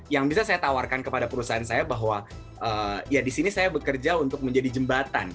yang bisa saya tawarkan kepada perusahaan saya bahwa ya disini saya bekerja untuk menjadi jembatan